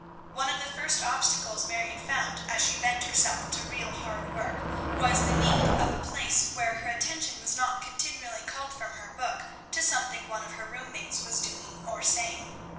One of the first obstacles Marion found as she bent herself to real hard work, was the need of a place where her attention was not continually called from her book to something one of her room mates was doing or saying.